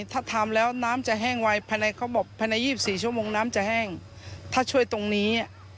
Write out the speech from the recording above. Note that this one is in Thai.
ถ้าทำแล้วน้ำจะแห้งไว้ภายในเขาบอกภายใน๒๔ชั่วโมงน้ำจะแห้งถ้าช่วยตรงนี้